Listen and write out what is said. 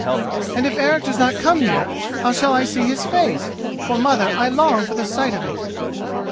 "And if Eric does not come here, how shall I see his face? for, mother, I long for the sight of it."